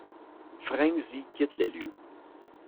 Ferenczi quitte les lieux.